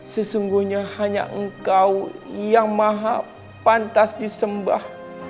sesungguhnya hanya engkau yang maha pantas disembah